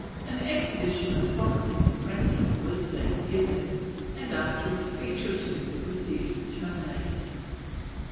An exhibition of boxing and wrestling was then given, and after a speech or two the proceedings terminated.